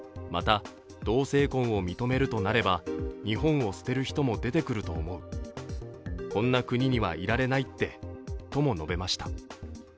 また同性婚を認めるとなれば日本を捨てる人も出てくると思うこんな国にはいられないってとも述べました。